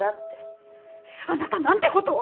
あなたなんて事を！